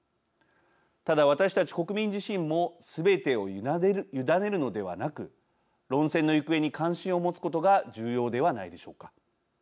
ただ、私たち国民自身もすべてを委ねるのではなく論戦の行方に関心を持つことが重要ではないでしょうか。